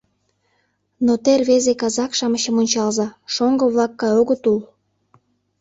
Но те рвезе казак-шамычым ончалза, - шоҥго-влак гай огыт ул...